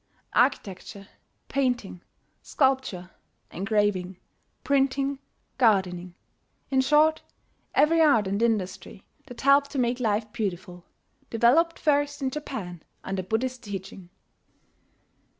Architecture, painting, sculpture, engraving, printing, gardening in short, every art and industry that helped to make life beautiful developed first in Japan under Buddhist teaching.